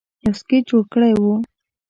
یو سکیچ جوړ کړی وو